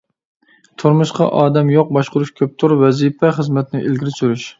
تۇرمۇشقا ئادەم يوق باشقۇرۇش كۆپتۇر، ۋەزىپە خىزمەتنى ئىلگىرى سۈرۈش.